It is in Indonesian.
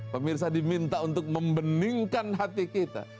pemirsa diminta untuk membeningkan hati kita